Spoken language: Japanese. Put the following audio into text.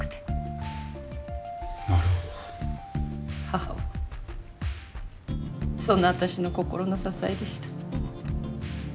母はそんな私の心の支えでした。